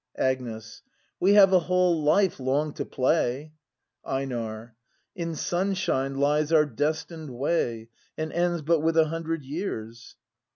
Agnes. We have a whole life long to play! Einar. In sunshine lies our destined way, And ends but with a hundred years.